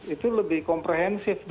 itu lebih komprehensif